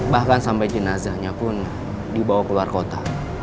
bahkan sampai jenazahnya pun dibawa keluar kota